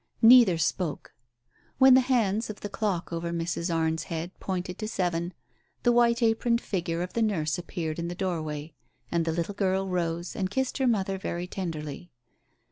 Neither spoke. When the hands of the clock over Mrs. Arne's head pointed to seven, the whiter aproned figure of the nurse appeared in the doorway, and the little girl rose and kissed her mother very tenderly.